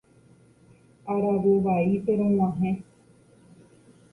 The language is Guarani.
Aravo vaípe rog̃uahẽ.